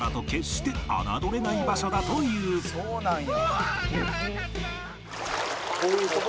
「そうなんや」